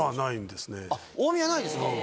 あっ大宮ないですか。